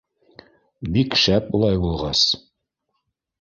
— Бик шәп улай булғас.